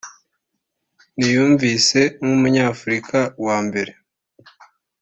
niyumvise nk’Umunyafurika wa mbere